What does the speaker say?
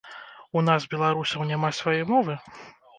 У нас, беларусаў, няма сваёй мовы?